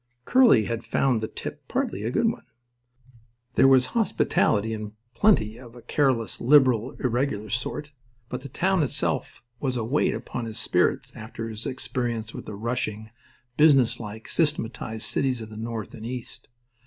Curly had found the tip partly a good one. There was hospitality in plenty of a careless, liberal, irregular sort. But the town itself was a weight upon his spirits after his experience with the rushing, business like, systematised cities of the North and East.